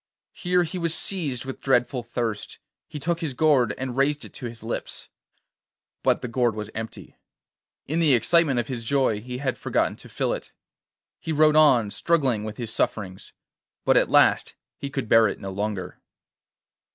Here he was seized with dreadful thirst; he took his gourd and raised it to his lips. But the gourd was empty; in the excitement of his joy he had forgotten to fill it. He rode on, struggling with his sufferings, but at last he could bear it no longer.